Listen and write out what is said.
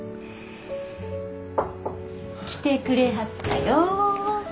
来てくれはったよ。